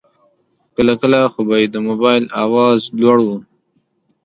کله کله خو به یې د موبایل آواز لوړ و.